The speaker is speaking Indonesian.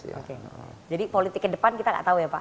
jadi politik ke depan kita gak tau ya pak